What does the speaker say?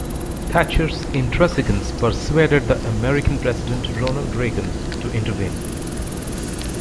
Thatcher's intransigence persuaded the American President, Ronald Reagan, to intervene.